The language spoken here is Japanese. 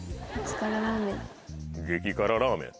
激辛ラーメン？